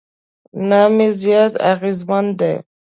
نام یې زیات اغېزمن دی.